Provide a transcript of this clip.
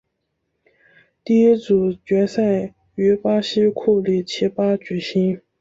第一组决赛于巴西库里奇巴举行。